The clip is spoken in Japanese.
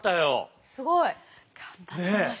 すごい。頑張ってました。